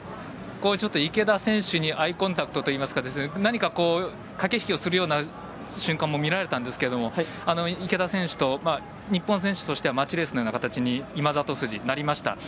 池田選手にアイコンタクトといいますか何か、駆け引きをするような瞬間も見られたんですけど池田選手と、日本選手としてはマッチレースのような形に今里筋、なりました。